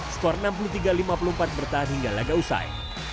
skor enam puluh tiga lima puluh empat bertahan hingga laga usai